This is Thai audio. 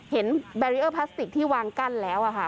แบรีเออร์พลาสติกที่วางกั้นแล้วค่ะ